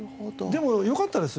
でもよかったです